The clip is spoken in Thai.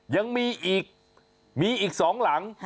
ยังมีอีกมีอีก๒หลัง